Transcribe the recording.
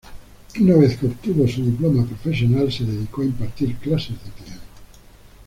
Una vez que obtuvo su diploma profesional, se dedicó a impartir clases de piano.